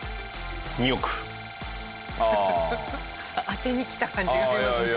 当てにきた感じがありますね。